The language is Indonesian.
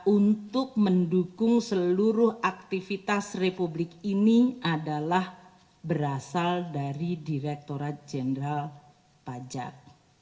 untuk mendukung seluruh aktivitas republik ini adalah berasal dari direkturat jenderal pajak